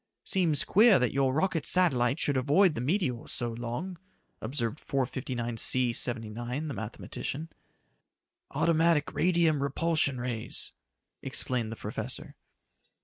"Seems queer that your rocket satellite should avoid the meteors so long," observed 459C 79, the mathematician. "Automatic radium repulsion rays," explained the professor.